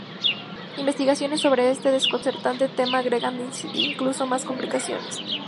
Investigaciones sobre este desconcertante tema agregan incluso más complicaciones.